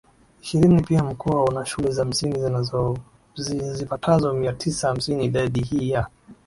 ishirini Pia mkoa una shule za msingi zipatazo mia tisa hamsini Idadi hii ya